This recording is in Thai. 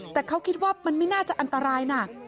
แต่เขาคิดว่ามันไม่น่าจะอันตรายนะ